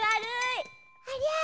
ありゃ。